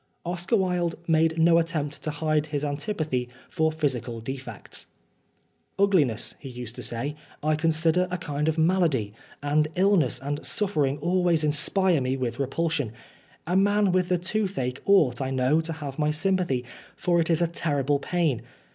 Oscar Wilde made no attempt to hide his antipathy for physical defects. "Ugliness," he used to say, "I consider a kind of malady, and illness and suffering always inspire me with repulsion. A man with the toothache ought, I know, to have my sympathy, for it is a terrible pain.